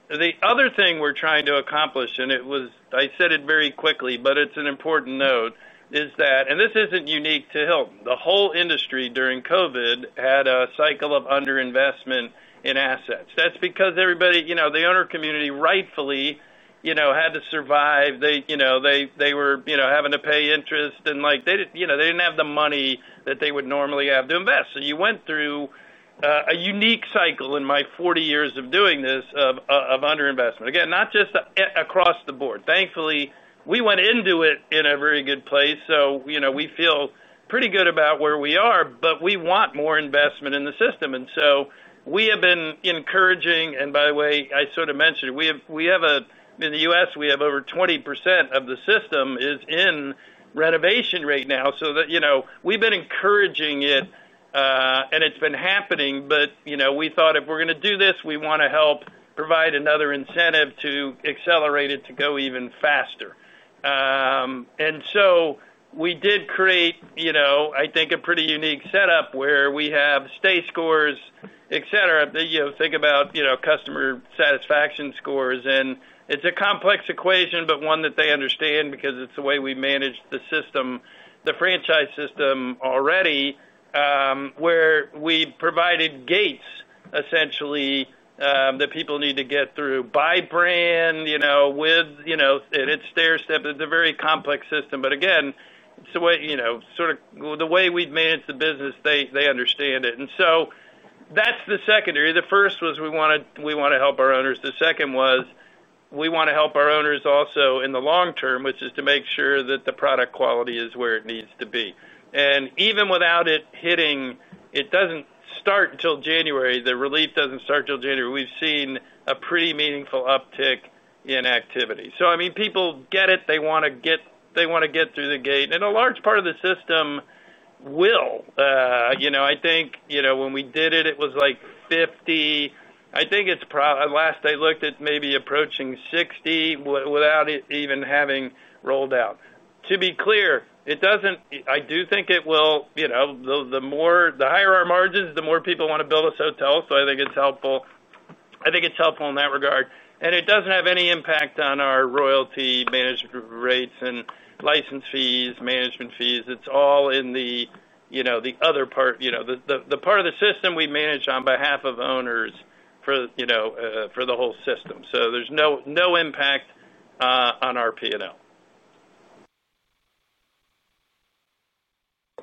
The other thing we're trying to accomplish, and it was, I said it very quickly, but it's an important note, is that, and this isn't unique to Hilton, the whole industry during COVID had a cycle of underinvestment in assets. That's because everybody, you know, the owner community rightfully, you know, had to survive. They, you know, they were, you know, having to pay interest and like, they didn't, you know, they didn't have the money that they would normally have to invest. You went through a unique cycle in my 40 years of doing this of underinvestment. Again, not just across the board. Thankfully, we went into it in a very good place. We feel pretty good about where we are, but we want more investment in the system. We have been encouraging, and by the way, I sort of mentioned it, we have, we have a, in the U.S., we have over 20% of the system is in renovation right now. We've been encouraging it, and it's been happening, but, you know, we thought if we're going to do this, we want to help provide another incentive to accelerate it to go even faster. We did create, you know, I think a pretty unique setup where we have stay scores, etc. Think about, you know, customer satisfaction scores, and it's a complex equation, but one that they understand because it's the way we managed the system, the franchise system already, where we provided gates essentially that people need to get through by brand, you know, with, you know, at its stairstep. It's a very complex system, but again, it's the way we've managed the business, they understand it. That's the secondary. The first was we want to help our owners. The second was we want to help our owners also in the long term, which is to make sure that the product quality is where it needs to be. Even without it hitting, it doesn't start until January. The relief doesn't start until January. We've seen a pretty meaningful uptick in activity. People get it. They want to get through the gate. A large part of the system will, I think, when we did it, it was like 50. I think it's probably last I looked at maybe approaching 60 without it even having rolled out. To be clear, it doesn't, I do think it will, the more, the higher our margins, the more people want to build us hotels. I think it's helpful. I think it's helpful in that regard. It doesn't have any impact on our royalty management rates and license fees, management fees. It's all in the other part, the part of the system we manage on behalf of owners for the whole system. There's no impact on our P&L. The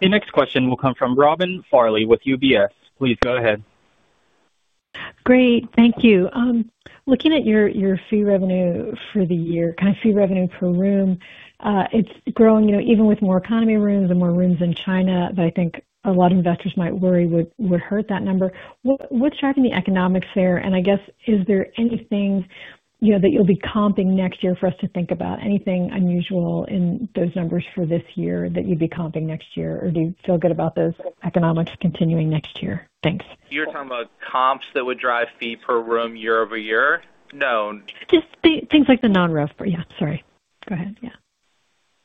next question will come from Robin Farley with UBS. Please go ahead. Great, thank you. Looking at your fee revenue for the year, kind of fee revenue per room, it's growing, you know, even with more economy rooms and more rooms in China. I think a lot of investors might worry would hurt that number. What's driving the economics there? I guess, is there anything, you know, that you'll be comping next year for us to think about? Anything unusual in those numbers for this year that you'd be comping next year? Do you feel good about those economics continuing next year? Thanks. You're talking about comps that would drive fee per room year-over-year? No. Just things like the non-REF, yeah, sorry. Go ahead, yeah.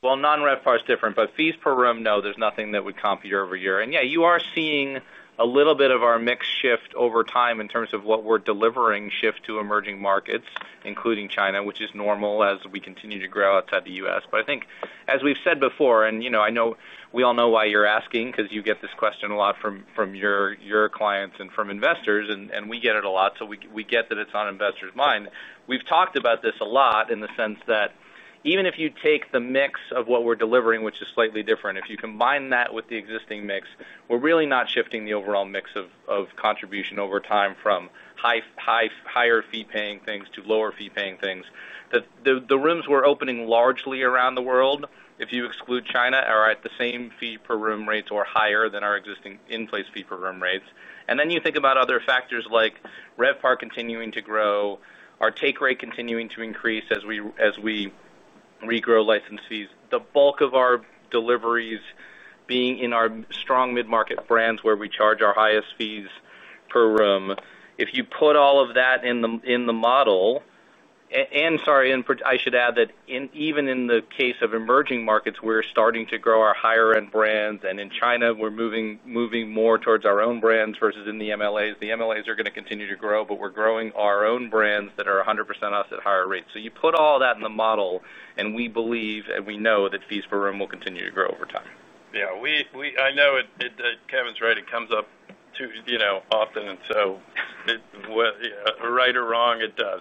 Non-REF are different, but fees per room, no, there's nothing that would comp year-over-year. You are seeing a little bit of our mix shift over time in terms of what we're delivering shift to emerging markets, including China, which is normal as we continue to grow outside the U.S. I think, as we've said before, and you know, I know we all know why you're asking, because you get this question a lot from your clients and from investors, and we get it a lot. We get that it's on investors' minds. We've talked about this a lot in the sense that even if you take the mix of what we're delivering, which is slightly different, if you combine that with the existing mix, we're really not shifting the overall mix of contribution over time from higher fee-paying things to lower fee-paying things. The rooms we're opening largely around the world, if you exclude China, are at the same fee per room rates or higher than our existing in-place fee per room rates. You think about other factors like RevPAR continuing to grow, our take rate continuing to increase as we regrow license fees, the bulk of our deliveries being in our strong mid-market brands where we charge our highest fees per room. If you put all of that in the model, and sorry, I should add that even in the case of emerging markets, we're starting to grow our higher-end brands, and in China, we're moving more towards our own brands versus in the MLAs. The MLAs are going to continue to grow, but we're growing our own brands that are 100% us at higher rates. You put all that in the model, and we believe and we know that fees per room will continue to grow over time. Yeah, I know Kevin's right, it comes up too often. It does.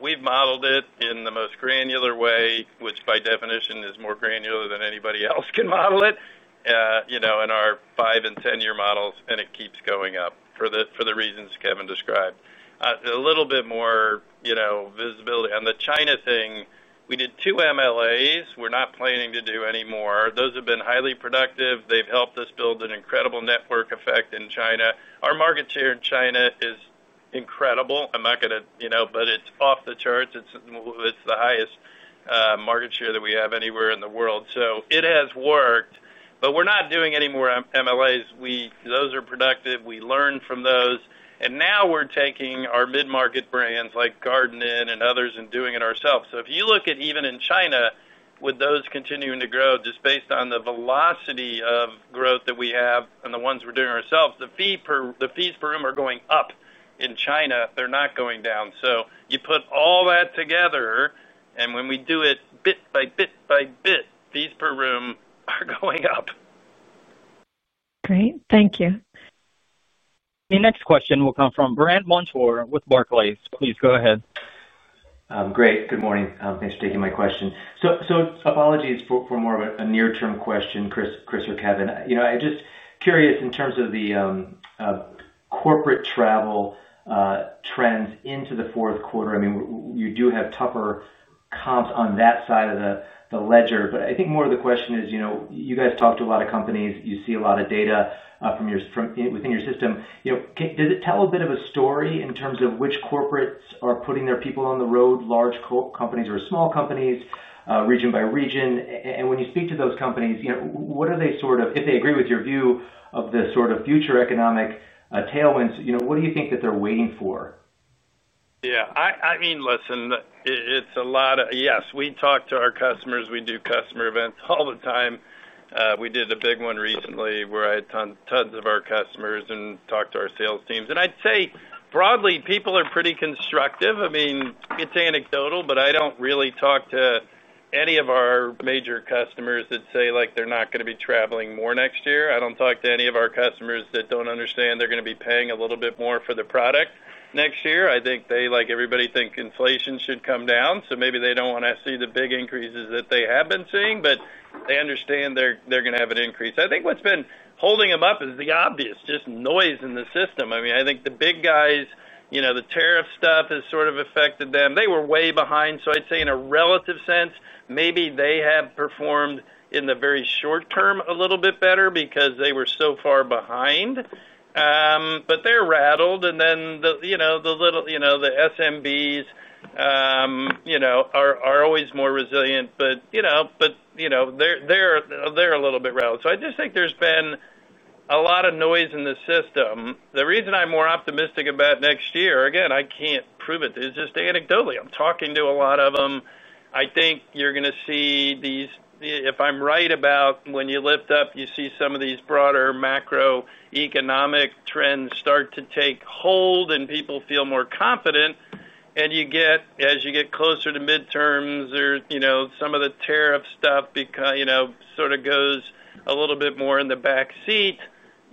We've modeled it in the most granular way, which by definition is more granular than anybody else can model it in our five and ten-year models, and it keeps going up for the reasons Kevin described. A little bit more visibility on the China thing, we did two MLAs. We're not planning to do any more. Those have been highly productive. They've helped us build an incredible network effect in China. Our market share in China is incredible. I'm not going to, but it's off the charts. It's the highest market share that we have anywhere in the world. It has worked, but we're not doing any more MLAs. Those are productive. We learn from those. Now we're taking our mid-market brands like Garden Inn and others and doing it ourselves. If you look at even in China, with those continuing to grow, just based on the velocity of growth that we have and the ones we're doing ourselves, the fees per room are going up in China. They're not going down. You put all that together, and when we do it bit by bit by bit, fees per room are going up. Great, thank you. The next question will come from Brandt Montour with Barclays. Please go ahead. Great, good morning. Thanks for taking my question. Apologies for more of a near-term question, Chris or Kevin. I'm just curious in terms of the corporate travel trends into the fourth quarter. You do have tougher comps on that side of the ledger, but I think more of the question is, you guys talk to a lot of companies. You see a lot of data from within your system. Does it tell a bit of a story in terms of which corporates are putting their people on the road, large companies or small companies, region by region? When you speak to those companies, what are they sort of, if they agree with your view of the sort of future economic tailwinds, what do you think that they're waiting for? Yeah, I mean, listen, it's a lot of, yes, we talk to our customers. We do customer events all the time. We did a big one recently where I had tons of our customers and talked to our sales teams. I'd say broadly, people are pretty constructive. I mean, it's anecdotal, but I don't really talk to any of our major customers that say they're not going to be traveling more next year. I don't talk to any of our customers that don't understand they're going to be paying a little bit more for the product next year. I think they, like everybody, think inflation should come down. Maybe they don't want to see the big increases that they have been seeing, but they understand they're going to have an increase. I think what's been holding them up is the obvious, just noise in the system. I think the big guys, you know, the tariff stuff has sort of affected them. They were way behind. I'd say in a relative sense, maybe they have performed in the very short term a little bit better because they were so far behind. They're rattled. The little, you know, the SMBs, you know, are always more resilient, but they're a little bit rattled. I just think there's been a lot of noise in the system. The reason I'm more optimistic about next year, again, I can't prove it. It's just anecdotally. I'm talking to a lot of them. I think you're going to see these, if I'm right about when you lift up, you see some of these broader macro-economic trends start to take hold and people feel more confident. As you get closer to midterms or some of the tariff stuff, you know, sort of goes a little bit more in the back seat,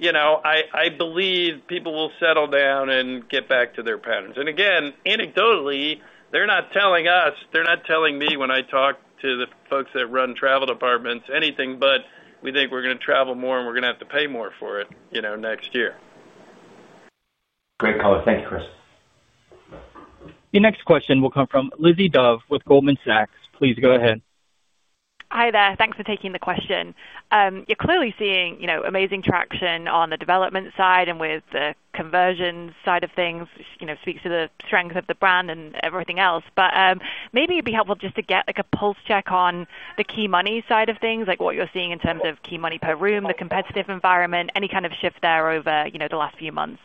I believe people will settle down and get back to their patterns. Again, anecdotally, they're not telling us, they're not telling me when I talk to the folks that run travel departments, anything but we think we're going to travel more and we're going to have to pay more for it next year. Great caller. Thank you, Chris. The next question will come from Lizzie Dove with Goldman Sachs. Please go ahead. Hi there. Thanks for taking the question. You're clearly seeing amazing traction on the development side and with the conversion side of things, which speaks to the strength of the brand and everything else. Maybe it'd be helpful just to get a pulse check on the key money side of things, like what you're seeing in terms of key money per room, the competitive environment, any kind of shift there over the last few months?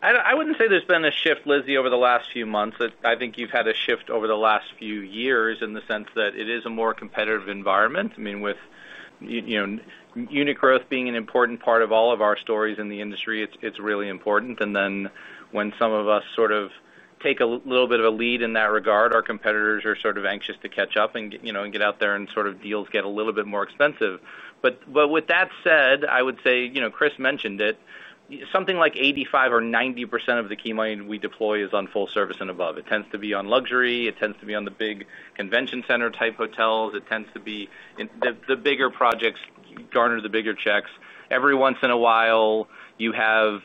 I wouldn't say there's been a shift, Lizzie, over the last few months. I think you've had a shift over the last few years in the sense that it is a more competitive environment. I mean, with unit growth being an important part of all of our stories in the industry, it's really important. When some of us sort of take a little bit of a lead in that regard, our competitors are sort of anxious to catch up and get out there and deals get a little bit more expensive. With that said, I would say, you know, Chris mentioned it, something like 85% or 90% of the key money we deploy is on full service and above. It tends to be on luxury. It tends to be on the big convention center type hotels. It tends to be the bigger projects garner the bigger checks. Every once in a while, part of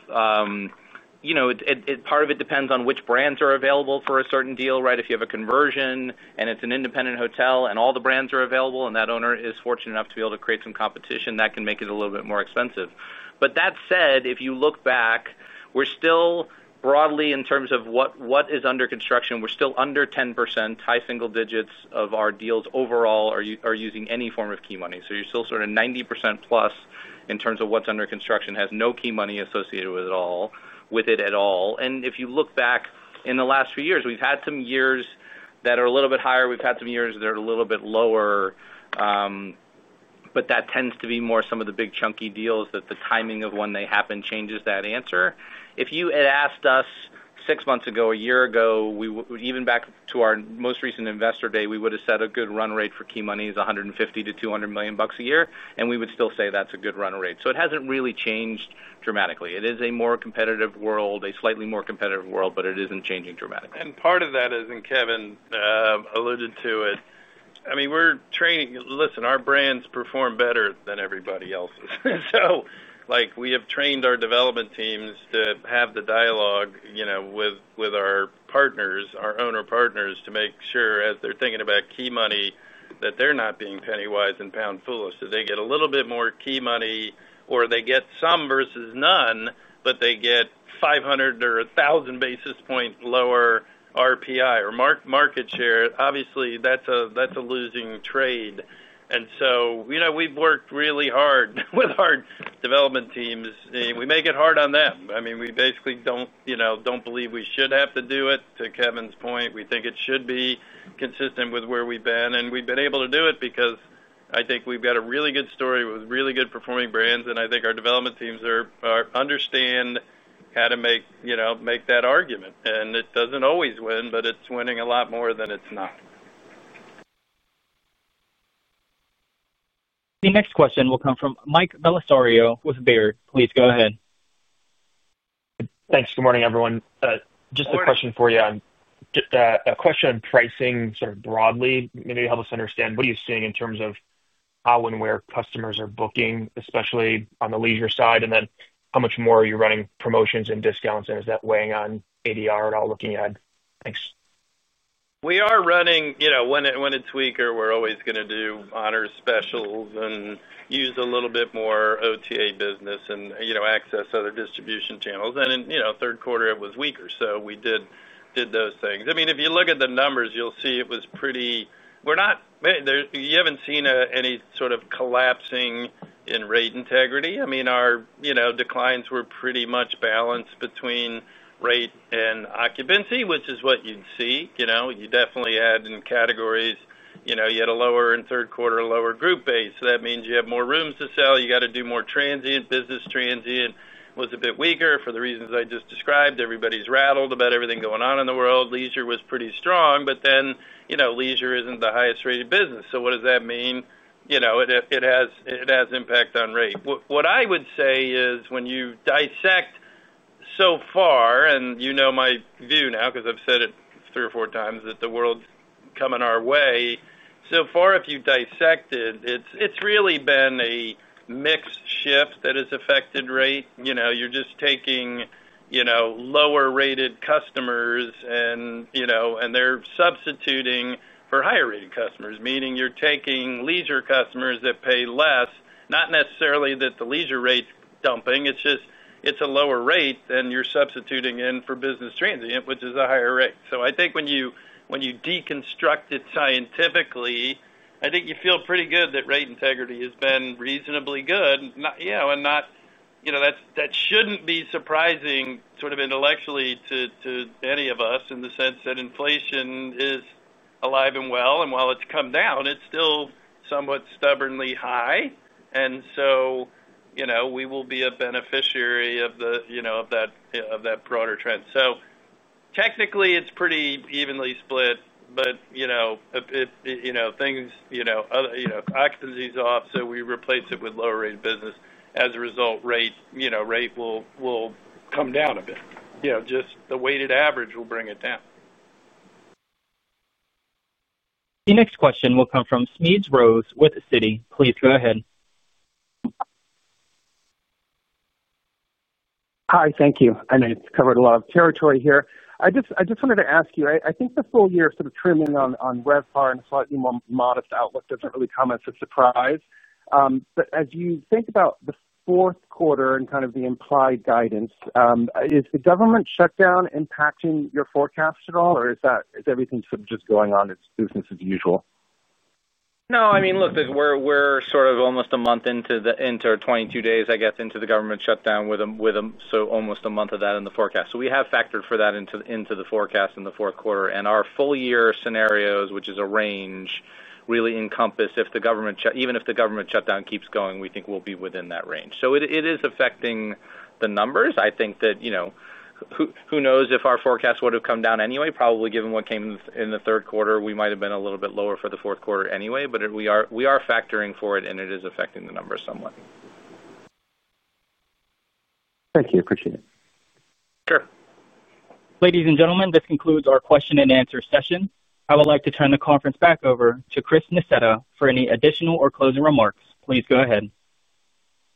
it depends on which brands are available for a certain deal, right? If you have a conversion and it's an independent hotel and all the brands are available and that owner is fortunate enough to be able to create some competition, that can make it a little bit more expensive. That said, if you look back, we're still broadly in terms of what is under construction, we're still under 10%, high single digits of our deals overall are using any form of key money. You're still sort of 90%+ in terms of what's under construction has no key money associated with it at all. If you look back in the last few years, we've had some years that are a little bit higher. We've had some years that are a little bit lower. That tends to be more some of the big chunky deals that the timing of when they happen changes that answer. If you had asked us six months ago, a year ago, even back to our most recent investor day, we would have said a good run rate for key money is $150 million-$200 million a year. We would still say that's a good run rate. It hasn't really changed dramatically. It is a more competitive world, a slightly more competitive world, but it isn't changing dramatically. Part of that is, and Kevin alluded to it, I mean, we're training, listen, our brands perform better than everybody else's. We have trained our development teams to have the dialogue with our partners, our owner partners, to make sure as they're thinking about key money, that they're not being pennywise and pound foolish. They get a little bit more key money, or they get some versus none, but they get 500 or 1,000 basis points lower RPI or market share. Obviously, that's a losing trade. We have worked really hard with our development teams. We make it hard on them. I mean, we basically don't believe we should have to do it. To Kevin's point, we think it should be consistent with where we've been. We have been able to do it because I think we've got a really good story with really good performing brands. I think our development teams understand how to make that argument. It doesn't always win, but it's winning a lot more than it's not. The next question will come from Mike Bellisario with Baird. Please go ahead. Thanks. Good morning everyone. Just a question for you on pricing sort of broadly. Maybe help us understand what you're seeing in terms of how and where customers are booking, especially on the leisure side. How much more are you running promotions and discounts? Is that weighing on ADR at all looking ahead? Thanks. We are running, you know, when it's weaker, we're always going to do honor specials and use a little bit more OTA business and access other distribution channels. In third quarter, it was weaker. We did those things. If you look at the numbers, you'll see it was pretty, we're not, you haven't seen any sort of collapsing in rate integrity. Our declines were pretty much balanced between rate and occupancy, which is what you'd seek. You definitely had in categories, you had a lower in third quarter, a lower group base. That means you have more rooms to sell. You got to do more transient. Business transient was a bit weaker for the reasons I just described. Everybody's rattled about everything going on in the world. Leisure was pretty strong, but leisure isn't the highest rated business. What does that mean? It has impact on rate. What I would say is when you dissect so far, and you know my view now, because I've said it three or 4x that the world's coming our way, so far, if you dissect it, it's really been a mixed shift that has affected rate. You're just taking lower rated customers and they're substituting for higher rated customers, meaning you're taking leisure customers that pay less, not necessarily that the leisure rate's dumping. It's just, it's a lower rate than you're substituting in for business transient, which is a higher rate. I think when you deconstruct it scientifically, I think you feel pretty good that rate integrity has been reasonably good. That shouldn't be surprising sort of intellectually to any of us in the sense that inflation is alive and well. While it's come down, it's still somewhat stubbornly high. We will be a beneficiary of that broader trend. Technically, it's pretty evenly split, but occupancy's off. We replace it with lower rate business. As a result, rate will come down a bit. Just the weighted average will bring it down. The next question will come from Smedes Rose with Citi. Please go ahead. Hi, thank you. I know you've covered a lot of territory here. I just wanted to ask you, I think the full year sort of trimming on RevPAR and a slightly more modest outlook doesn't really come as a surprise. As you think about the fourth quarter and kind of the implied guidance, is the government shutdown impacting your forecast at all, or is everything sort of just going on as business as usual? No, I mean, look, we're almost a month into our, 22 days, I guess, into the government shutdown, so almost a month of that in the forecast. We have factored that into the forecast in the fourth quarter. Our full year scenarios, which is a range, really encompass if the government, even if the government shutdown keeps going, we think we'll be within that range. It is affecting the numbers. I think that, you know, who knows if our forecast would have come down anyway, probably given what came in the third quarter, we might have been a little bit lower for the fourth quarter anyway, but we are factoring for it and it is affecting the numbers somewhat. Thank you, appreciate it. Sure. Ladies and gentlemen, this concludes our question-and-answer session. I would like to turn the conference back over to Chris Nassetta for any additional or closing remarks. Please go ahead.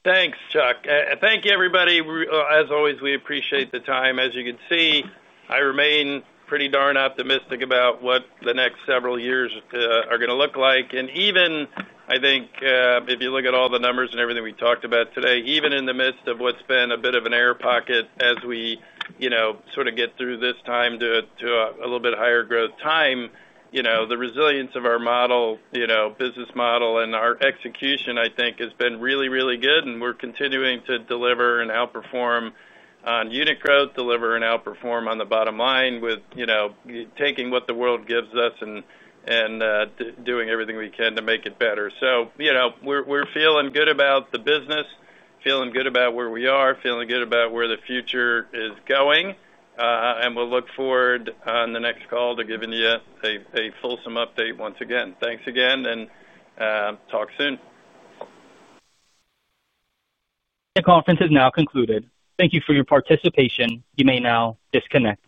Thanks, Chuck. Thank you, everybody. As always, we appreciate the time. As you can see, I remain pretty darn optimistic about what the next several years are going to look like. Even, I think, if you look at all the numbers and everything we talked about today, even in the midst of what's been a bit of an air pocket as we, you know, sort of get through this time to a little bit higher growth time, the resilience of our model, business model and our execution, I think, has been really, really good. We're continuing to deliver and outperform on unit growth, deliver and outperform on the bottom line with taking what the world gives us and doing everything we can to make it better. We're feeling good about the business, feeling good about where we are, feeling good about where the future is going. We'll look forward on the next call to giving you a fulsome update once again. Thanks again and talk soon. The conference is now concluded. Thank you for your participation. You may now disconnect.